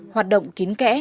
hoạt động kín kẽ